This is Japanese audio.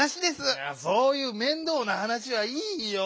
いやそういう面倒なはなしはいいよ。